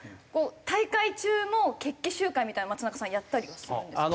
大会中も決起集会みたいなの松中さんやったりするんですか？